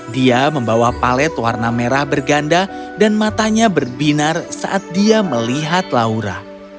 dia membawa palet warna merah berganda dan matanya berbinar saat dia melihat laura